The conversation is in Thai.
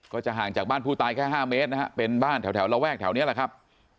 ก็จะห่างจากบ้านผู้ตายแค่๕เมตรนะฮะเป็นบ้านแถวระแวกแถวนี้แหละครับ